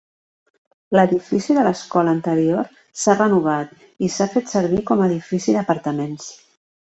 L'edifici de l'escola anterior s'ha renovat i s'ha fet servir com a edifici d'apartaments.